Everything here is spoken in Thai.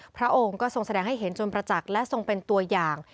พระองค์ก็ทรงแสดงให้เห็นจนประจักษ์และทรงเป็นตัวอย่าง